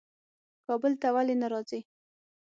کابل ته ولي نه راځې؟